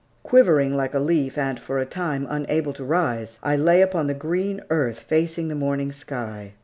Quivering like a leaf and for a time unable to rise, I lay upon the green earth facing the morning sky.